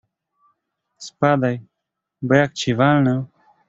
Spadaj, bo jak ci walnę...